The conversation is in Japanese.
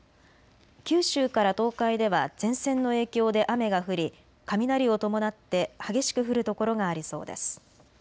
九州から東海では前線の影響で雨が降り雷を伴って激しく降る所がありそうです。